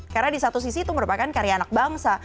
karena di satu sisi itu merupakan karya anak bangsa